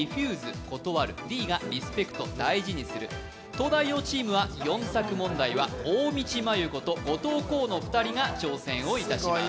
「東大王」チームは４択問題は大道麻優子と後藤弘の２人が挑戦します。